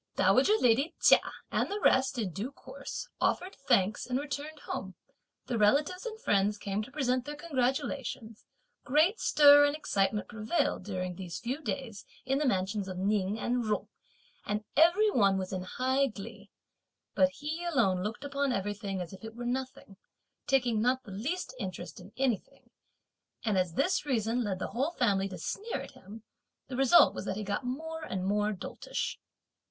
Dowager lady Chia and the rest in due course offered thanks and returned home, the relatives and friends came to present their congratulations, great stir and excitement prevailed during these few days in the two mansions of Ning and Jung, and every one was in high glee; but he alone looked upon everything as if it were nothing; taking not the least interest in anything; and as this reason led the whole family to sneer at him, the result was that he got more and more doltish.